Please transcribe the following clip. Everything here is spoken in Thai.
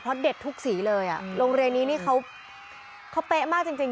เพราะเด็ดทุกสีเลยอ่ะโรงเรียนนี้นี่เขาเป๊ะมากจริง